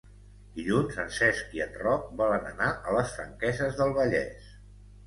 Dilluns en Cesc i en Roc volen anar a les Franqueses del Vallès.